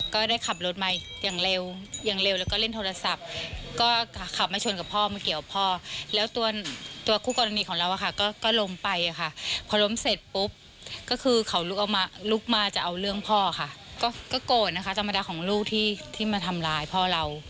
ก็โกรธนะคะธรรมดาของลูกที่มาทำร้ายพ่อเรา